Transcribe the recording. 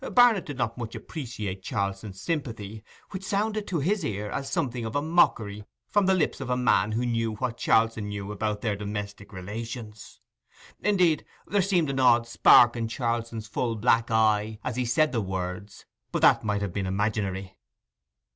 Barnet did not much appreciate Charlson's sympathy, which sounded to his ears as something of a mockery from the lips of a man who knew what Charlson knew about their domestic relations. Indeed there seemed an odd spark in Charlson's full black eye as he said the words; but that might have been imaginary.